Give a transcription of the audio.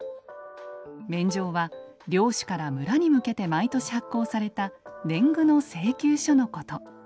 免定は領主から村に向けて毎年発行された年貢の請求書のこと。